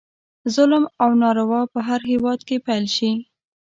ظلم او ناروا به په هر هیواد کې پیل شي.